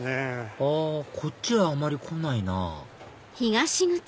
あこっちはあまり来ないなぁ